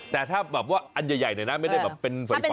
แต่ถ้าแบบว่าอันใหญ่หน่อยนะไม่ได้แบบเป็นฝอย